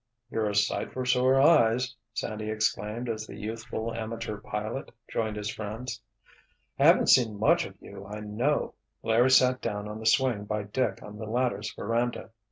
"You're a sight for sore eyes!" Sandy exclaimed as the youthful amateur pilot joined his friends. "I haven't seen much of you, I know." Larry sat down on the swing by Dick on the latter's veranda.